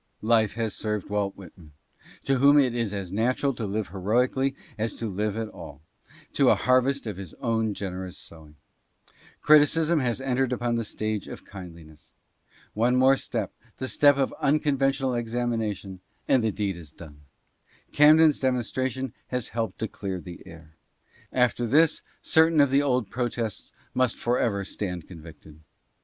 Life has served Walt Whitman, to whom it is as natural to live heroically as to live at all, to a harvest of his own generous sowing. Criti cism has entered upon the stage of kindliness. One more step — the step of unconventional examination — and the deed is done. Camden's demonstration has helped to clear the air. After this certain of the old protests must forever stand convicted.